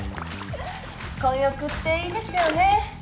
混浴っていいですよね。